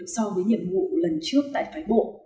so với nhiệm vụ lần trước tại phái bộ